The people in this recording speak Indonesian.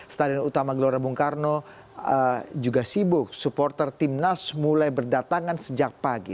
stadion utama gelora bung karno juga sibuk supporter timnas mulai berdatangan sejak pagi